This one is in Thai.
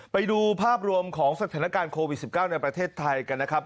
ไปดูภาพรวมของสถานการณ์โควิด๑๙ในประเทศไทยกันนะครับ